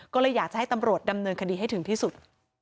ก็เลยอยากจะให้ตำรวจดำเนินคดีให้ถึงที่สุด